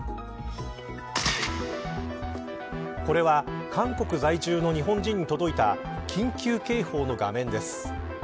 これは韓国在住の日本人に届いた緊急警報の画面です。